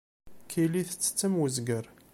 Kelly tettett am wezger.